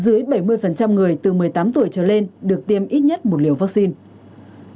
dưới bảy mươi người từ một mươi tám tuổi trở lên được tiêm ít nhất một liều vaccine